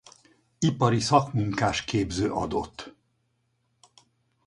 Ipari Szakmunkásképző adott.